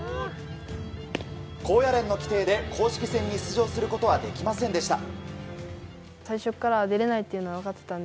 高野連の規定で公式戦に出場することはできませんでした。